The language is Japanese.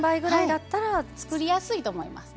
作りやすいと思います。